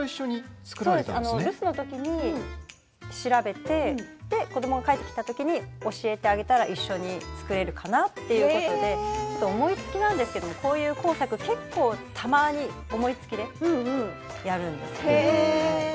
留守のときに調べて子どもが帰ってきたときに教えてあげたら一緒に作れるかなっていうことで思いつきなんですけれどもこういった工作、結構たまに思いつきでやるんですよね。